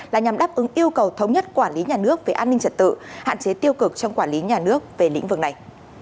là nhằm đáp ứng yêu cầu thống nhất quản lý nhà nước về an ninh trật tự hạn chế tiêu cực trong quản lý nhà nước về lĩnh vực này